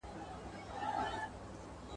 سړي سر ګټه باید هیڅکله هېره نه کړای سي.